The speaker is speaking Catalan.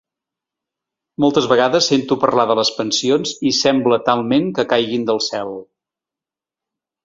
Moltes vegades sento parlar de les pensions i sembla talment que caiguin del cel.